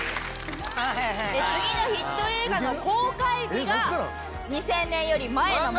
次のヒット映画の公開日が２０００年より前のもの。